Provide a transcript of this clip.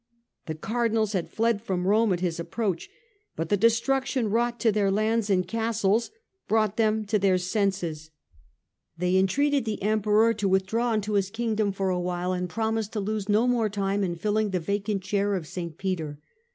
The Cardinals had fled from Rome at his approach, but the destruction wrought to their lands and castles brought them to their senses. They entreated the Emperor to withdraw THE CAPTURED COUNCIL 207 into his Kingdom for a while, and promised to lose no more time in filling the vacant Chair of St. Peter.